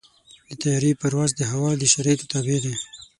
د طیارې پرواز د هوا د شرایطو تابع دی.